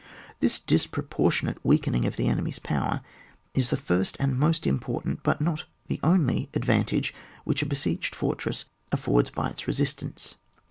This disproportionate weakening of the enemy's power is the first and most important but not the only advantage which a besieged fortress a^ords by its resistance.